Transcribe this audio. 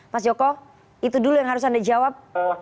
mas joko itu dulu yang harus anda jawab